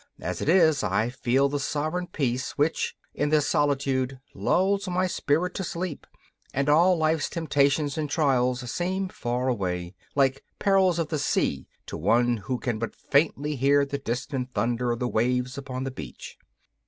As it is, I feel the sovereign peace which, in this solitude, lulls my spirit to sleep, and all life's temptations and trials seem far away, like perils of the sea to one who can but faintly hear the distant thunder of the waves upon the beach.